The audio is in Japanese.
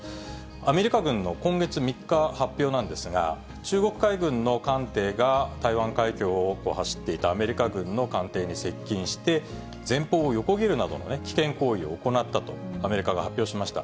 アメリカ軍の今月３日の発表なんですが、中国海軍の艦艇が台湾海峡を走っていたアメリカ軍の艦艇に接近して、前方を横切るなどの危険行為を行ったと、アメリカが発表しました。